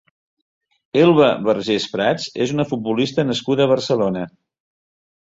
Elba Vergés Prats és una futbolista nascuda a Barcelona.